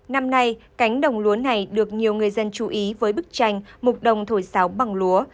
năm nay cánh đồng lúa này được nhiều người dân chú ý với bức tranh mục đồng thổi sáo bằng lúa